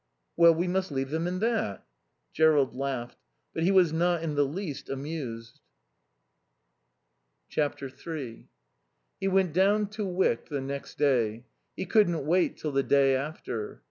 "Well, we must leave them in that." Jerrold laughed. But he was not in the least amused. iii He went down to Wyck the next day; he couldn't wait till the day after.